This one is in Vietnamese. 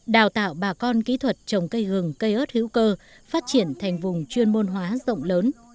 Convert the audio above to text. đào tạo bà con kỹ thuật trồng cây gừng cây ớt hữu cơ phát triển thành vùng chuyên môn hóa rộng lớn